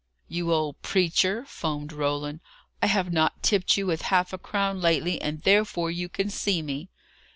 "You old preacher!" foamed Roland. "I have not tipped you with half a crown lately, and therefore you can see me!"